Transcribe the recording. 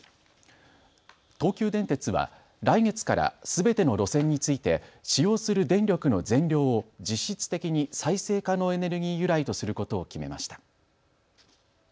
東急電鉄は来月からすべての路線について使用する電力の全量を実質的に再生可能エネルギー由来とすることを決めました。